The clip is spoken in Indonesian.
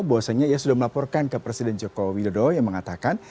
bahwasannya ia sudah melaporkan ke presiden joko widodo yang mengatakan